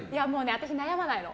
私、悩まないの。